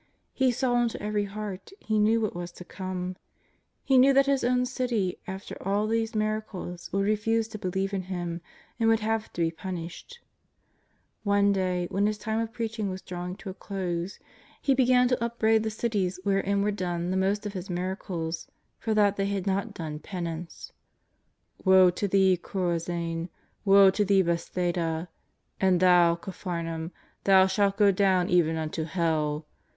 He saw into every heart. He knew what was to come. He knew that His own city after all these miracles would refuse to believe in Him and would have to be punished. One day, when His time of preaching was drawing to a close, He began to up braid the cities wherein were done the most of His miracles, for that they had not done penance: "Wo to thee, Corozain ! W^ to thee, Bethsaida ! And thou, Capharnaum, thou shalt go down even unto hell.